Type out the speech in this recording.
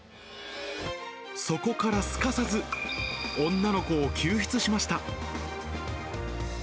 そこからすかさず女の子を救出しました。